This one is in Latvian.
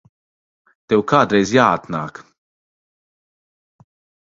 Tev kādreiz jāatnāk.